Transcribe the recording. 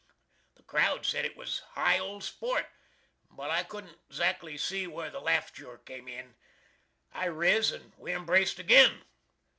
The crowd sed it was high old sport, but I couldn't zackly see where the lafture come in. I riz and we embraced agin.